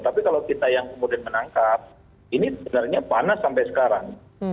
tapi kalau kita yang kemudian menangkap ini sebenarnya panas sampai sekarang